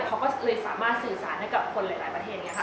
เขาก็เลยสามารถสื่อสารให้กับคนหลายประเทศ